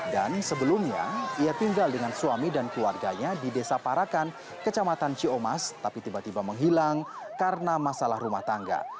dan sebelumnya ia tinggal dengan suami dan keluarganya di desa parakan kecamatan ciumas tapi tiba tiba menghilang karena masalah rumah tangga